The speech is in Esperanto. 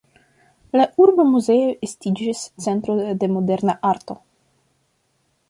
La Urba muzeo estiĝis centro de moderna arto.